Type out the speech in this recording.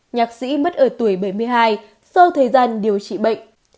nhạc sĩ mất ở tuổi bảy mươi hai sau thời gian điều trị bệnh